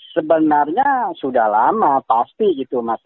sebenarnya sudah lama pasti gitu mas